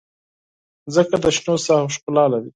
مځکه د شنو ساحو ښکلا لري.